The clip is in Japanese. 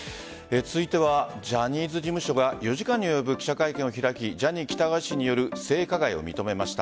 続いてはジャニーズ事務所が４時間に及ぶ記者会見を開きジャニー喜多川氏による性加害を認めました。